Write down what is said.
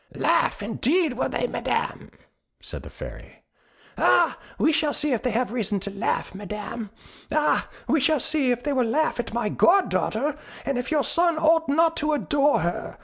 "Laugh, indeed, will they, Madam?" said the Fairy. "Ah, we shall see if they have reason to laugh, Madam. Ah, we shall see if they will laugh at my goddaughter, and if your son ought not to adore her.